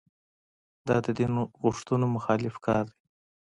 دا د دین غوښتنو مخالف کار دی.